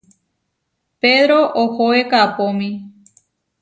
Pedró ohoé kaʼpómi.